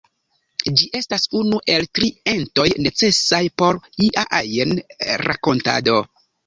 Ĝi estas unu el la tri entoj necesaj por ia ajn rakontado.